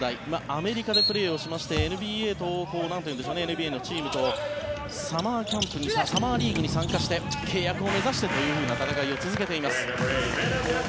アメリカでプレーをしましてＮＢＡのチームのサマーキャンプに参加して契約を目指してという戦いを続けています。